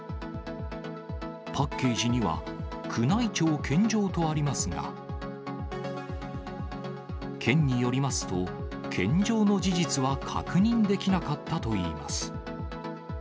パッケージには、宮内庁献上とありますが、県によりますと、献上の事実は確認できなかったといいます。